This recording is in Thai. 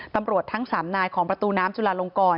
ตำรวจทั้ง๓นายของประตูน้ำจุลาลงกร